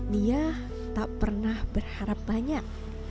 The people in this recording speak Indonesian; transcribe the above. nia tak pernah berharap banyak